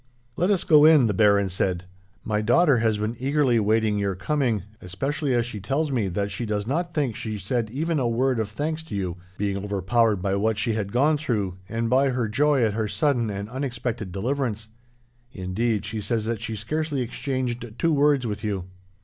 "Let us go in," the baron said. "My daughter has been eagerly waiting your coming, especially as she tells me that she does not think she said even a word of thanks to you, being overpowered by what she had gone through, and by her joy at her sudden and unexpected deliverance. Indeed, she says that she scarcely exchanged two words with you."